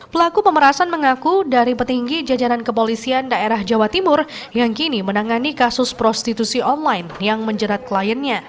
pelaku pemerasan mengaku dari petinggi jajaran kepolisian daerah jawa timur yang kini menangani kasus prostitusi online yang menjerat kliennya